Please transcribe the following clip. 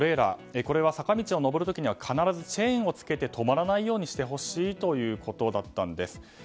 これは坂道を登る時には必ずチェーンをつけて止まらないようにしてほしいということだったんです。